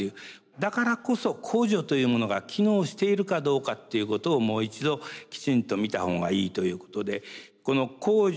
だからこそ公助というものが機能しているかどうかっていうことをもう一度きちんと見た方がいいということで。